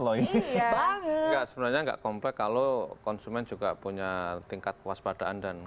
loh ya banget nggak sebenarnya nggak komplek kalau konsumen juga punya tingkat kewaspadaan dan